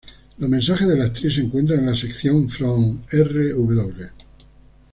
Los mensajes de la actriz se encuentran en la sección "From rw".